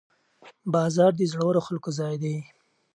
بازار د زړورو خلکو ځای دی.